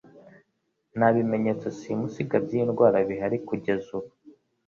Nta bimeyetso simusiga by'iyi ndwara bihari kugeeza ubu.